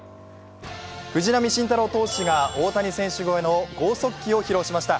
藤浪晋太郎投手が大谷選手超えの剛速球を見せました。